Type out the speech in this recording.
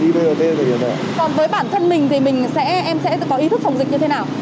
còn với bản thân mình thì em sẽ có ý thức phòng dịch như thế nào